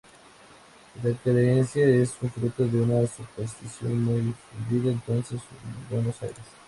Esta creencia es fruto de una superstición muy difundida entonces en Buenos Aires.